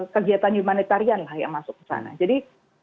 kegiatan humanitarian yang masuk kesana jadi